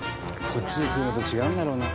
こっちで食うのと違うんだろうな。